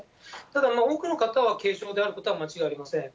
ただ、多くの方は軽症であることは間違いありません。